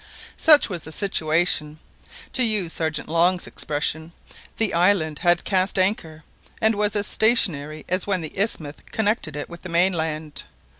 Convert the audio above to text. Such was the situation. To use Sergeant Long's expression, the island had "cast anchor," and was as stationary as when the isthmus connected it with the mainland.